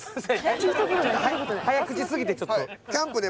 早口すぎてちょっと。